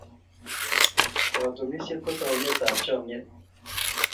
katunisiet ko taunet ab bandab chamyet